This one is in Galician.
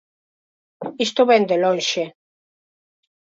Isto vén de lonxe.